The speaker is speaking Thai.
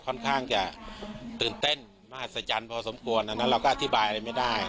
ค่อนข้างจะตื่นเต้นมหัศจรรย์พอสมควรอันนั้นเราก็อธิบายอะไรไม่ได้